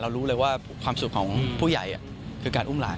รู้เลยว่าความสุขของผู้ใหญ่คือการอุ้มหลาน